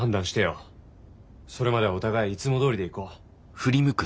それまではお互いいつもどおりでいこう。